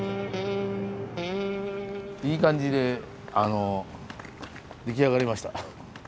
いい感じで出来上がりました。